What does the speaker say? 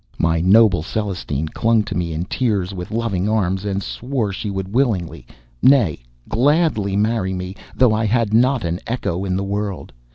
� My noble Celestine clung to me in tears, with loving arms, and swore she would willingly, nay gladly, marry me, though I had not an echo in the world.